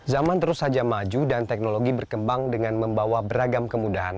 zaman terus saja maju dan teknologi berkembang dengan membawa beragam kemudahan